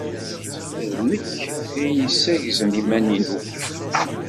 D nekk ay yessaggzen iman-inu.